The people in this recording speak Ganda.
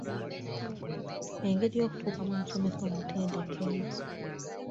Engeri y'okufuukamu omusomesa omutendeke?